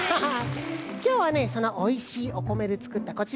きょうはねそのおいしいおこめでつくったこちら。